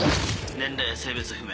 年齢性別不明。